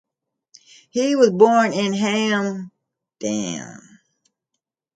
He was born in Hamedan.